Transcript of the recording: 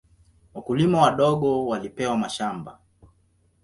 Wakulima wadogo walipewa mashamba.